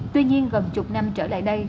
tuy nhiên gần chục năm trở lại đây